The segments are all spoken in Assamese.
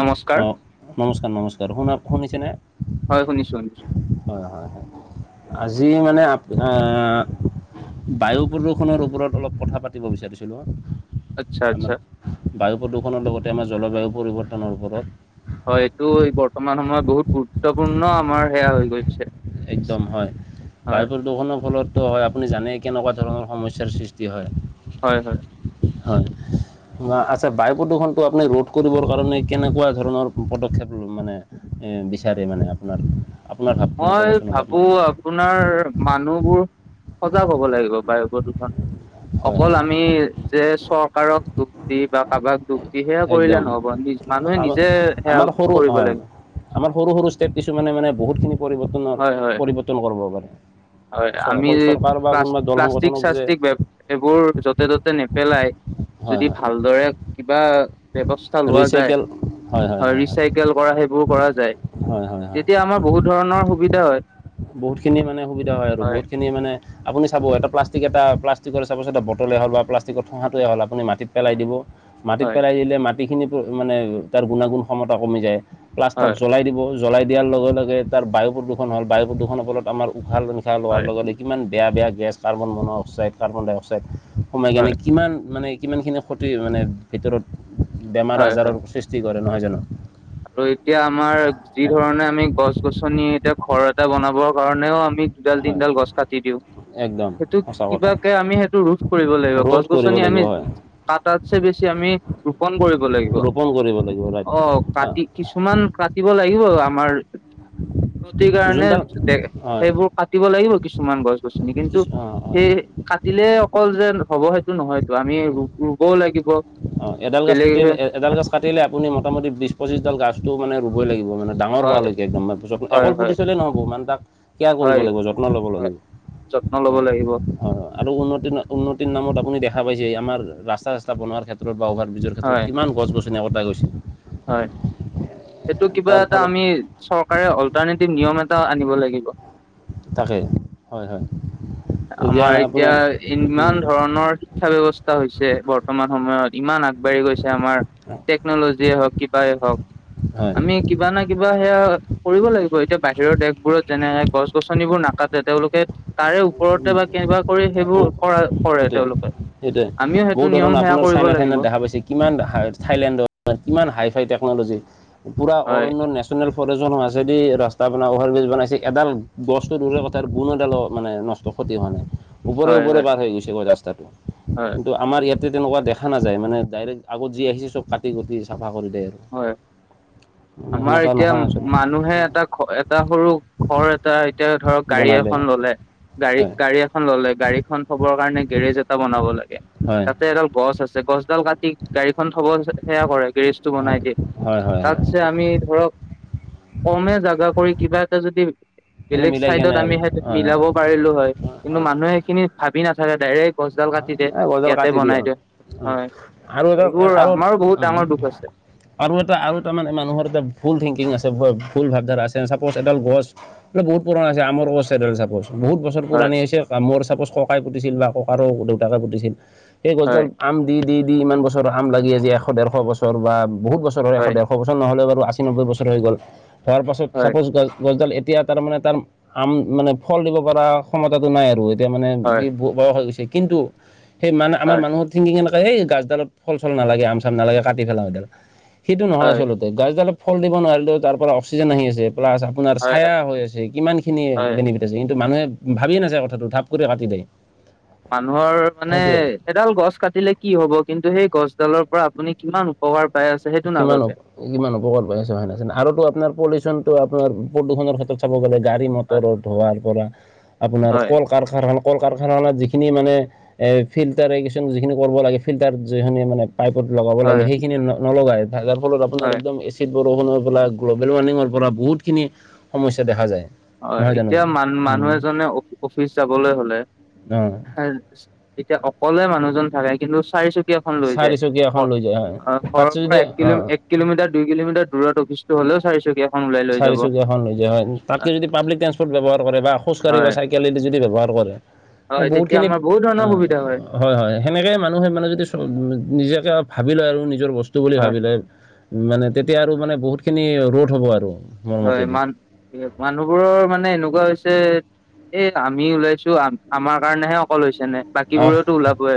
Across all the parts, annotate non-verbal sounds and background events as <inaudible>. নমস্কাৰ অঁ, নমস্কাৰ, নমস্কাৰ শুনাক শুনিছেনে? হয়, শুনিছো শুনিছো। হয়, হয় হয়। আজি মানে আপোনাৰ বায়ু প্ৰদূষণৰ ওপৰত অলপ কথা পাতিব বিচাৰিছিলোঁ হাঁ। আচ্ছা, আচ্ছা। বায়ু প্ৰদূষণৰ লগতে আমাৰ জলবায়ু পৰিবৰ্তনৰ ওপৰত হয়, এইটো এই বৰ্তমান সময়ত বহুত গুৰুত্বপূৰ্ণ। আমাৰ সেয়া হৈ গৈ একদম হয়। বায়ু প্ৰদূষণৰ ফলত ত' হয়, আপুনি জানেই। কেনেকুৱা ধৰণৰ সমস্যাৰ সৃষ্টি হয়। হয়, হয়। হয়। আচ্ছা, বায়ু প্ৰদূষণটো আপুনি ৰোধ কৰিবৰ কাৰণে কেনেকুৱা ধৰণৰ পদক্ষেপ মানে এ বিচাৰে মানে আপোনাৰ, আপোনাৰ ভাৱখিনি মই ক'বচোন অলপমান ভাৱোঁ, আপোনাৰ মানুহবোৰ সজাগ হ'ব লাগিব। বায়ু প্ৰদূষণ হয় অকল হয় আমি যে চৰকাৰক দুখ দি বা কাৰোবাক দুখ দিহে কৰিলে একদম নহব। নি মানুহে আমাৰ নিজে সেয়া আমাৰ সৰু কৰিব হয় লাগিব। আমাৰ সৰু সৰু ষ্টেট কিছুমানে মানে বহুতখিনি হয় হয় পৰিৱৰ্তনৰ--পৰিৱৰ্তন কৰিব পাৰে। হয়, চ- আমি অকল চৰকাৰ বা কোনোবা দল সংগঠনক যে প্লাছ--প্লাষ্টিক-চাষ্টিক ব্যৱ এইবোৰ য'তে-ত'তে নেপেলাই হয় যদি হয় ভালদৰে কিবা ব্যৱস্থা লোৱা যায়। ৰিচাইকেল হয় হয় আ হয় ৰিচাইক হয় কেল কৰা, সেইবোৰ কৰা যায়। হয় হয় হয় তেতিয়া আমাৰ বহুত ধৰণৰ সুবিধা হয়। বহুতখিনি মানে সুবিধা হয় আৰু। বহুত খিনি মানে আপুনি চাব, এটা প্লাষ্টিক এটা প্লাষ্টিকৰ চাবচোন এটা বটলে হ'ল বা প্লাষ্টিকৰ ঠোঙাটোৱে হ'ল আপুনি মাটিত পেলাই দিব মাটিত হয় পেলাই দিলে মাটিখিনিকো মানে, তাৰ গুণাগুণ ক্ষমতা কমি যায়। প্লাছ তাক হয় জ্বলাই দিব জ্বলাই দিয়াৰ লগে লগে তাৰ বায়ু প্ৰদূষণ হ'ল। বায়ু প্ৰদূষণৰ ফলত আমাৰ উশাহ-নিশাহ লোৱাৰ হয় লগতে কিমান বেয়া বেয়া গেছ কাৰ্বন-মন-অক্সাইড, কাৰ্বন ডাই অক্সাইড সোমাই কেনে হয় কিমান মানে কিমানখিনি ক্ষতি মানে, ভিতৰত বেমাৰ-আজাৰৰ সৃষ্টি কৰে। নহয় জানো? ত ' এতিয়া আমাৰ যি হয় ধৰণে আমি গছ-গছনি এতিয়া ঘৰ এটা বনাব কাৰণেও আমি দুডাল, হয় তিনডাল গছ কাটি দিওঁ। একদম সেইটোক সঁচা কথা কিবাকে আমি সেইটো ৰোধ কৰিব লাগিব। ৰোধ কৰিব গছ-গছনি আমি, লাগিব হয় কাটাত্ছে বেছি আমি ৰোপন কৰিব লাগিব, ৰোপণ কৰিব লাগিব ৰাইট অ। কাটি কিছুমান কাটিব লাগিব, আমাৰ উন্নতিৰ কাৰণে যোনডাল হয় সেইবোৰ কাতিব লাগিব কিছুমান গছ গছনি কিন্তু কিছু অঁ হয় সেই হয় কাটিলে অকল যে হ'ব সেইটো নহয়তটো আমি ৰুবও লাগিব। অ' এডাল গছ বেলেগ পুতিলে এডাল গছ কাটিলে আপুনি মোটামুটি বিশ পঁচিশডাল গছতটো মানে ৰুবই লাগিব মানে। ডাঙৰ হয় হোৱালৈকে একদম, যত হয় অকল পুটি হয় থলেই নহ'ব মানে তাক কেয়াৰ কৰিব হয় লাগিব যত্ন ল'ব হয় লাগিব। যত্ন ল'ব লাগিব। হয়, আৰু উন্নতি উন্নতিৰ নামত আপুনি দেখা পাইছে আমাৰ ৰাস্তা চাস্তা বনোৱাৰ ক্ষেত্ৰত বা অ নিজৰ ক্ষেত্ৰত হয় কিমান গছ-গছনি একতা গৈছে। হয়, সেইটো কিবা তাৰ এটা ফলত আমি চৰকাৰে অল্টাৰনেটিভ নিয়ম এটা আনিব লাগিব। তাকে, হয় হয়। আমাৰ এতিয়া ইমান ধৰণৰ শিক্ষা ব্যৱস্থা হৈছে বৰ্তমান সময়ত। ইমান আগবাঢ়ি গৈছে আমাৰ, টেকনলজিয়ে হওক, কিবাই হওক। হয়। আমি কিবা না কিবা সেয়া কৰিব লাগিব, এতিয়া বাহিৰৰ দেশ বোৰত যেনে গছ গছনিবোৰ নাকাত তেওঁলোকে তাৰে ওপৰতে বা কেনেকুৱা কৰি সেইবোৰ কৰা কৰে সেইটোৱে তেওঁলোকে। সেইটোৱে, আমিও বহু সেইটো নিয়ম ধৰণ সেয়া আপোনাৰ কৰিব চাইনা লাগিব ঠাইনাত দেখা পাইছে কিমান হাই থাইলেণ্ডৰ, কিমান হাই ফাই টেকন'লজি, পুৰা হয় অৰণ্য নে নেচনেল ফৰেজনৰ মাজেদি ৰাস্তা বনাব অভাৰব্ৰিজ বনাইছে, এডাল গছটো দূৰৰে কথা গুণ এডালো মানে ন একো ক্ষতি হোৱা নাই। ওপৰে হয় ওপৰে হয় পাৰ হৈ গৈছে ৰাস্তাতো। হয় কিন্তু আমাৰ ইয়াত তো তেনেকুৱা দেখা নাযায়। মানে ডাইৰেক্ট আগত যি আহিছে চব কাটি কুটি চাফা কৰি দেয়ে আৰু। হয়। আমাৰ সেনেকুৱা নহয় এতিয়া আচলতে মানুহে এটা এটা সৰু ঘৰ এটা এতিয়া ধৰক গাড়ী বনালে এখন ললে, গাড়ী হয় গাড়ী এখন ললে, গাড়ীখন থবৰ কাৰণে গেৰেজ এটা বনাব লাগে। হয় তাতে এডাল গছ আছে। গছডাল কাটি গাড়ীখন থব সেয়া কৰে গেৰেজ টো হয় বনাই দিয়ে। হয় হয় হয়। যে আমি ধৰক, কমে জাগা কৰি কিবা এটা যদি অলপ বেলেগ মিলাই চাইডত কেনে আমি আৰু সেইটো হয় হয় মিলাব পাৰিলো হয়। কিন্তু মানুহে সেইখিনি ভাবি নাথাকে ডাইৰেক্ট গছডাল কাটি দে এ গজডাল ইয়াতে কাটি দিয়া বনাই হ'ল। দে হয় আৰু এডাল এ এইবোৰ আৰু, আমাৰো বহুত উম। ডাঙৰ দুখ আছে আৰু এটা আৰু তাৰমানে মানুহৰ এটা ভুল থিংকিং আছে, ভুল ভাবধাৰা আছে, চাপজ এডাল গছ ন বহুত পুৰণা হৈছে আমৰ গছ এডাল চাপজ। বহুত বছৰ হয় পুৰণি হৈছে। মোৰ চাপজ ককাই পুতিছিল বা ককাৰৰ দেউতাকে পুতিছিল, সেই গছডাল হয় আম দি দি দি ইমান বছৰৰ আম লাগি আজি এশ ডেৰশ বছৰ বা বহুত বছৰ হয় এশ ডেৰশ বছৰ নহ'লে বাৰু আশী নব্বৈ বছৰ হৈ গ'ল, হোৱাৰ পাছত হয় ছাপজ গছ গছডাল এতিয়া তাৰ মানে তাৰ আম মানে ফল দিব পৰা ক্ষমতাটো নাই আৰু, এতিয়া মানে হয় বি ব বয়স হৈ গৈছে কিন্তু, সেই মান আমাৰ হয় মানুহত <unintelligible> কেনে এই গছডালত ফল-চল নালাগে, আম-চাম নালাগে, কাটি পেলাও এইডাল। সেইটো নহয় হয় আচলতে গাছডালে ফল দিব নোৱাৰিলেও তাৰ পৰা অক্সিজেন আহি আছে। প্লাচ আপোনাৰ হয় চায়া হৈ আছে। কিমানখিনি হয় বেনিফিট আছে। কিন্তু মানুহে ভাবিয়ে নাচায় কথাটো, ধাপ কৰি কাটি দিয়ে। মানুহৰ মানে সেইটোৱে এডাল গছ কাটিলে কি হ'ব, কিন্তু সেই গছডালৰ পৰা আপুনি কিমান উপকাৰ পাই আছে সেইটো কিমান হ'ব নাভাবে। কিমান উপকাৰ পাই আছে হয় না, আৰু টো আপোনাৰ পলিউচনটো আপোনাৰ প্ৰদূষণৰ ক্ষেত্ৰত ক'ব গ'লে গাড়ী মটৰৰ হয় ধোঁৱাৰ পৰা, আপোনাৰ হয় কল কাৰখানা কল কাৰখানাত যিখিনি মানে এ ফিল্টাৰ <unintelligible> যিখিনি কৰিব লাগে ফিল্টাৰ যিখিনি মানে। পাইপত লগাব লাগে হয় সেইখিনি ন নলগাই যাৰ ফলত আপোনাৰ হয় একদম এচি এছিড বৰষুণৰ পৰা গ্ল'বেল ৱাৰ্মিঙৰ পৰা বহুতখিনি সমস্যা দেখা যায়। হয় নহয় জানো এতিয়া মান মানুহ এজনে অ অফিচ যাবলৈ হলে অঁ চাই এতিয়া অকলে মানুহজন থাকে কিন্তু চাৰি চকী খন লৈ যায় চাৰিচকীয়া এখন ঘৰ লৈ যায় অ', ঘৰৰ তাতছে পৰা যদি এক কিলোম অঁ এক কি কিলোমিটাৰ দুই কিলোমিটাৰ দূৰত অফিচটো হ'লেও চাৰী চকীয়া চাৰি চকীয়াখন লৈ যায় হয় তাতকৈ যদি পাব্লিক ট্ৰান্সপ'ৰ্ট ব্যৱহাৰ কৰে বা খোজকাঢ়ি বা হয় চাইকেল। কেলেদি যদি ব্যৱহাৰ কৰে হয় তেতিয়া বহুতখিনি আমাৰ বহুত আ ধৰণৰ সুবিধা হয় হয় সেনেকে মানুহে মানে যদি চব নিজকে ভাবি লয় আৰু নিজৰ বস্তু বুলি হয় ভাবি লয়। মানে তেতিয়া আৰু মানে বহুতখিনি ৰ'দ হ'ব আৰু। মোৰ হয় মতেদি মান মানুহবোৰৰ মানে এনেকুৱা হৈছে। এ আমি ওলাইছো আম আমাৰ কাৰণেহে অকল হৈছে নে? বাকী অঁ বোৰেওতো ওলাবই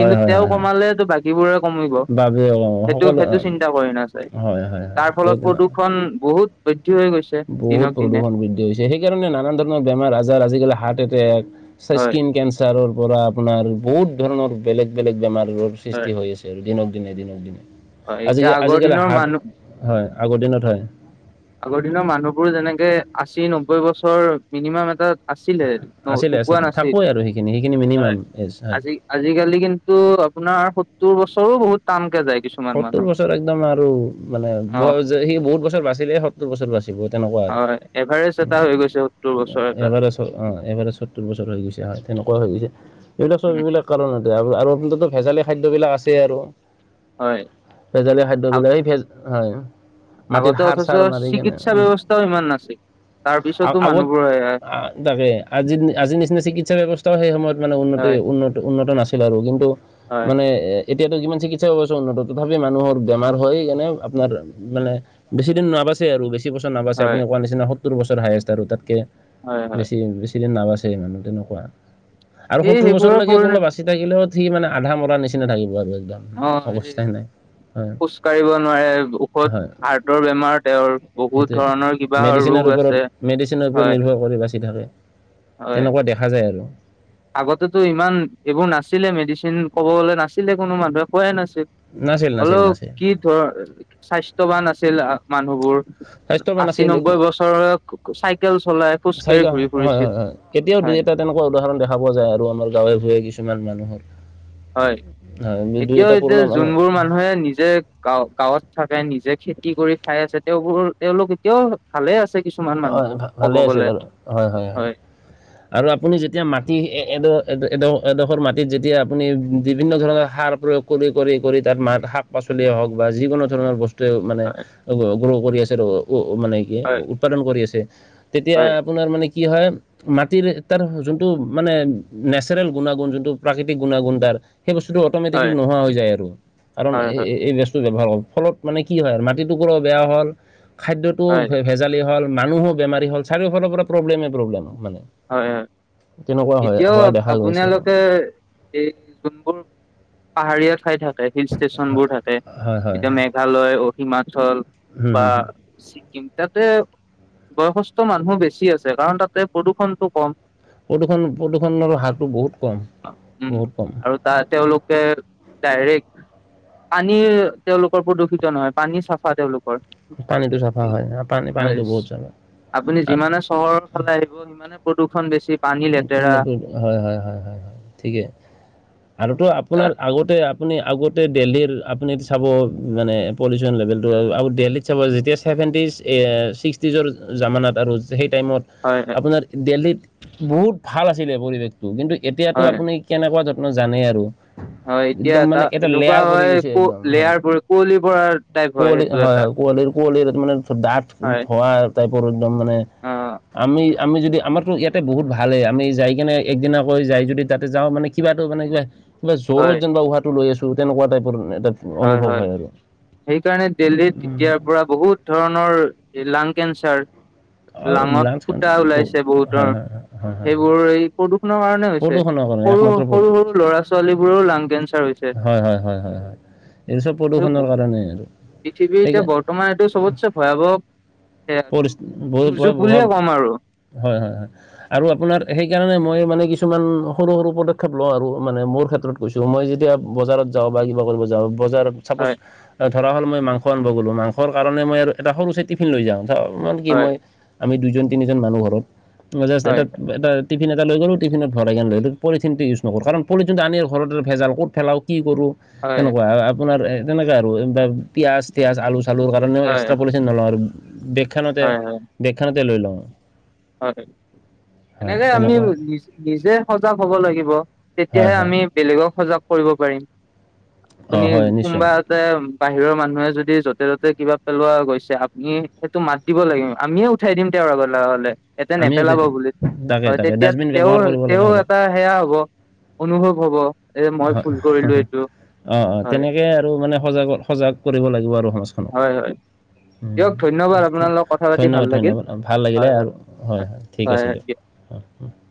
কিন্তু হয় তেওঁ হয় হয় কমালেটো বাকীবোৰেও কমিব বাবে সেইটো সকলো সেইটো চিন্তা। টা কৰি নাচায় হয় হয় তাৰ ফলত হয় প্ৰদূষণ বহুত বৃদ্ধি হৈ গৈছে। বহুত দিনক দিনে প্ৰদূষণ বৃদ্ধি হৈছ যে সেই কাৰণে নানান ধৰণৰ বেমাৰ আজাৰ আজিকালি হাৰ্ট এটেক চা হয় স্কিন কেনচাৰ। ছাৰৰ পৰা আপোনাৰ বহুত ধৰণৰ বেলেগ বেলেগ বেমাৰ <unintelligible> হয় সৃষ্টি হৈ আছে আৰু দিনক দিনে দিনক অ দিনে আজি এতিয়া আগৰ আজিকালি দিনৰ হাৰ্ট মানুহ হয়, আগৰ দিনত হয়। আগৰ দিনৰ মানুহবোৰ যেনেকে আশী নব্বৈ বছৰ মিনিমাম এটা। আছিলে ন আছিলে ধুকোৱা আছিলে নাছিল থাকোৱে আৰু সেইখিনি সেইখিনি হয়, মিনিমাম এজ হয় আজি আজিকালি কিন্তু আপোনাৰ সত্তোৰ বছৰো বহুত টানকে যায়। কিছুমান সত্তোৰ মানুহ বছৰ একদম আৰু মানে অ ব যে সি বহুত বছৰ বাছিলেহে সত্তোৰ বছৰ বাছি দিব তেনেকুৱা আৰু উম হয় এভাৰেজ এটা হৈ গৈছে সত্তৰ বছৰ এটা এভাৰেষ্ট। অ', এভাৰেজ সত্তোৰ বছৰ হৈ গৈছে হয় তেনেকুৱা হৈ গৈছে এইবিলাক ছব উম এইিবিলাক কাৰণত। তে আৰু আৰু আপোনাৰ টো ভেজালি খাদ্য বিলাক আছেই আৰু। হয়। ভেজালীয়া খাদ্যবিলাকেই ভেজ হয়। মাটিত আগতে সাৰ অথচ চাৰ মাৰি কেনে চিকিৎসা উম। ব্যৱস্থাও ইমান নাছিল তাৰ আৰু পিছতো আগত মানুহবোৰ হয় আ তাকে। আজি দি আজিৰ নিচিনা চিকিৎসা ব্যৱস্থাও সেই সময়ত মানে উন্নতি হয় উন্ন উন্নত নাছিল আৰু কিন্তু। হয় মানে এ এতিয়াতো যিমান চিকিৎ চা অৱশ্যে উন্নত তথাপি মানুহৰ বেমাৰ হৈয়ে কেনে আপোনাৰ মানে বেছি দিন নাবাছে আৰু বেছি। চি বছৰ নাবাছে হয় আপুনি কোৱা নিচিনা সত্তৰ বছৰ হায়েষ্ট আৰু তাতকে হয় হয় বেছি বেছি। দিন নাবাচে মানুহ তেনেকুৱা আৰু এই সত্তৰ সেইবোৰৰ বছৰলৈকে কোনো পৰিণতি বাছি বাচি থাকিলেও সি মানে আধা মৰা নিচিনা থাকিব আৰু একদম। অ'। এই অৱস্থাই নাই। হয় খোজ কাঢ়িব নোৱাৰে ওষধ হাৰ্টৰ বেমাৰ তেওঁৰ বহুত। যে ধৰণৰ কিবা ৰোগ মেডিচিনৰ আছে ওপৰত মেডিচিনৰ ওপৰত হয় নিৰ্ভৰ কৰি বাচি থাকে হয় তেনেকুৱা দেখা খা যায় আৰু। আগতেতো ইমান এইবোৰ নাছিলে মেডিচিন ক'বলে নাছিলে কোনো মানুহে কোৱাই নাছিল। নাছিল নাছিল হলেও নাছিল কি ধৰ স্বাস্থ্যয়ৱান আছিল আ মানুহবোৰ। স্বাস্থ্যৱান আশী আছিল নব্বৈ একদম বছৰ ক ক চাইকেল চলাই খোজকাঢ়ি চাইকা ঘুৰি হয় ফুৰিছিল হয় হয় এতিয়াও দুই হয়। এটা তেনেকুৱা উদাহৰণ দেখা পোৱা যায় আমাৰ গাঁৱে ভূঞে কিছুমান মানুহৰ। হয় হয় দুই এতিয়াও এটা যে পুৰণা যোনবোৰ মানুহ। মানুহে নিজে গা গাঁৱত থাকে নিজে খেতি কৰি খাই আছে তেওঁবোৰ তেওঁওলোক এতিয়াও। ভালে আছে কিছুমান মানুহ হয় ক'ব ভালে আছে গলে বাৰু হয়। হয়। আৰু আপুনি যেতিয়া মাটি এড এড এডোখৰ মাটিত যেতিয়া আপুনি বিভিন্ন ধৰণৰ সাৰ প্ৰয়োগ। কৰি কৰি কৰি তাৰ মাক শাক পাচলিয়ে হওক বা যিকোনো ধৰণৰ বস্তু। মানে হয় গ্ৰ কৰি আছে মানে কি হয় উৎপাদন কৰি আছে তেতিয়া। হয় আপোনাৰ মানে কি হয়। মাটিৰ তাৰ যোনটো মানে নেচাৰেল গুণাগুণ যোনটো প্ৰাকৃতিক গুণাগুণ তাৰ। সেই বস্তুটো হয়, অট'মেটিকেলি নোহোৱা হৈ যায় আৰু কাৰণ হয়, এই হয়, এই বস্তটো ব্যৱহাৰ কৰোঁ ফলত। মানে কি হয় আৰু মাটি টোক বেয়া হ'ল খাদ্য তো। হয়, আজালি হ'ল মানুহ বোৰ ও বেমাৰী হ'ল চাৰিওফালেই পৰা প্ৰব্লেম এই প্ৰব্লেমো মানে। হয় হয় তেনেকুৱা হয় এতিয়াও হোৱা দেখা গৈছে আৰু আপোনালোকে। এই যোনবোৰ পাহাৰীয়া ঠাই থাকে হিল ষ্টেচনবোৰ থাকে হয় হয় এতিয়া মে। হয় মেঘালয় অ হিমাচল হুম বা। হুম হুম ছিকিম তাতে বয়সস্থ মানুহ বেছি আছে কাৰণ তাতে প্ৰদূৰষণ। টো কম। প্ৰদূষণ প্ৰদূৰষণৰ হাৰটো বহুত কম বহুত কম। ত তেওঁলোকে ডাইৰেক্ট। পানী তেওঁলোকৰ প্ৰদূষিত নহয় পানী চাফা তেওঁলোক। পানীটো চাফা হয় পানী পানীটো বহুত চাফা আপুনি আৰু যিমান এ। চহৰৰ ফালে আহিব সিমানে প্ৰদূষণ বেছি। পানী লেতেৰা হয় হয় হয় ঠিকে আৰুতো হয়, আপোনাৰ আগতে। আপুনি আগতে দেলহীৰ আপুনি চাব মানে পলিউচন লেভেলটো আৰু দেল্হিতত। চ যেতিয়া চেভেণ্টিজ ছিক্সটিজৰ জামানাত আৰু সেই টাইমত। হয় হয়। আপোনাৰ দিল্হীত বহুত ভাল আছিলে পৰিৱেশটো কিন্তু এতিয়াতো হয় আপুনি। কেনেকুৱা ধত্ন জানেই আৰু। হয় এতিয়া একদম তটা মানে এটা এনেকুৱা লেয়াৰ পৰি হয় গৈছে ক একদম হয়। লেয়াৰবোৰ কুঁৱলী পৰা। টাইপ কুঁৱলী সেইটো হয় এটা। কুঁৱলীৰ কুঁৱলীৰ মানে দাঁঠ হয়। ধোৱা টাইপৰ একদম মানে। অ আমি আমি যদি আমাৰতো ই। তাতে বহুত ভালেই আমি যাই কিনে একদিনাকৈ যাই যদি তাতে যাওঁ মানে কিবাটো মানে কিবা। কিবা জ্বৰত হয় যেনিবা উহাহটো লৈ আছো তেনেকুৱা টাইপৰ এ। হয় হয় সেইকাৰণে দিল্লীত এতিয়াৰ পৰা বহুত। ধৰণৰ লাং কেঞ্চাৰ। লাঙত লাঞ্চ ফুটা কেঞ্চাৰ বহুত ওলাইছে বহুতৰ হয় হয় হয় হয় সেইবোৰ এই প্ৰদূষণৰ কাৰণে। প্ৰদূষণৰ কাৰণে সৰু একমাত্ৰ প্ৰদূ সৰু সৰু ল'ৰা ছোৱালী বোৰৰও লাং কেঞ্চাৰ হৈছে। হয় হয় হয় হয় হয় এইটো চব আৰু প্ৰদূষণৰ কাৰণেই আৰু পৃথিৱীৰ তে। এতিয়া বৰ্তমান এইটো চবতচে ভয়াৱহ দুৰ্যোগ বুলিয়ে পৰিস্থিতি ক'ম আৰু। হয় হয় হয়। আৰু আপোনাৰ সেইকাৰণে মই মানে কিছুমান সৰু সৰু পদক্ষেপ লওঁ আৰু মানে মোৰ ক্ষেত্ৰত। গৈছোঁ মই যেতিয়া বজাৰত যাওঁ বা কিবা কৰিব যাওঁ বজাৰত। চাপোজ হয় ধৰা হ'ল মই মাংস আনব গ'লো মাংসৰ কাৰণে মই আৰু এটা সৰু টিফিন লৈ যাওঁ। মানে কি হয় মই আমি দুইজন তিনিজন মানুহ ঘৰত জাষ্ট এটা হয় এটা। টিফিন এটা লৈ গলোঁ। টিফিনত ভৰাই কেনে লৈ আহিলোঁ, পলিথিনটো ইউজ নকৰোঁ। কাৰণ, পলথিনটো আনি ঘৰতে ভেজাল, ক'ত পেলাওঁ, কি কৰোঁ! হয় তেনেকুৱা! আপোনাৰ তেনেকা আৰু। পিয়াঁজ- টিয়াঁজ, আলু-চালুৰ কাৰণেও, হয় এক্সট্ৰা পলি পলিথিন নলওঁ আৰু। বেগখনতে, হয় হয় বেগখনতে লৈ লওঁ। হয়! হয় সনেকে, আমি তেনেকুৱা নি নিজে সজাগ হ'ব লাগিব। হয় তেতিয়াহে, হয় আমি বেলেগক সজাগ কৰিব পাৰিম। অঁ আপুনি, হয় নিশ্চয় কোনোবা তাতে, বাহিৰৰ মানুহে যদি, য'তে-ত'তে কিবা পেলোৱা গৈছে, আপুনি সেইটো মাত মাতিব লাগে। আমিয়ে উঠাই দিম, তেওঁৰ <unintelligible> এয়াতে, আমি উঠাই নেপেলাব দিম বুলি। তাকে হয়! তাকে তেতিয়া ডাষ্টবিন তেওঁ, ব্যৱহাৰ কৰিব লাগে তেওঁ সদায় এটা, সেয়া হ'ব, অনুভৱ হ'ব। এ মই হয়, ভুল কৰিলো এইটো অ' অ'! হয় তেনেকে আৰু মানে, সজগ-সজাগ কৰিব লাগিব আৰু সংস্কৃ হয়, হয়! দিয়ক ধন্যবাদ আপোনাৰ লগত কথা পাতি ভাল ধন্যবাদ, লাগিল ধন্যবাদ! ভাল লাগিলে হয় হয় আৰু হয়, হয়! ঠিক আছে দিয়ক। <unintelligible>